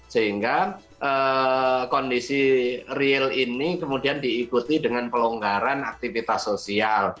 sehingga kondisi real ini kemudian diikuti dengan pelonggaran aktivitas sosial